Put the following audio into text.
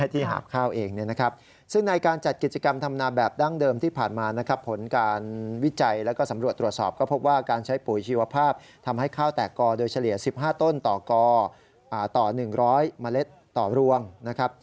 ๕ต้นต่อก่อต่อ๑๐๐มะเล็ดต่อรวงนะครับ